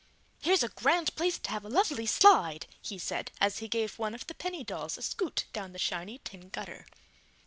"Here's a grand place to have a lovely slide!" he said as he gave one of the penny dolls a scoot down the shiny tin gutter.